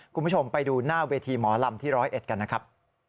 คุณผู้ชมไปดูหน้าเวทีหมอลำที่๑๐๑กันนะครับ